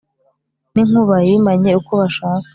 n'inkuba yimanye uko bashaka